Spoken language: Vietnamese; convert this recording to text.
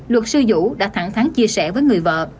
luật sư dũ đã thẳng thắng chia sẻ với người vợ